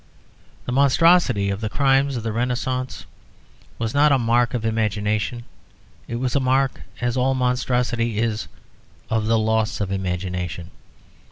The monstrosity of the crimes of the Renaissance was not a mark of imagination; it was a mark, as all monstrosity is, of the loss of imagination.